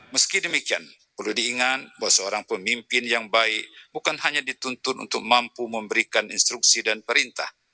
meski demikian perlu diingat bahwa seorang pemimpin yang baik bukan hanya dituntut untuk mampu memberikan instruksi dan perintah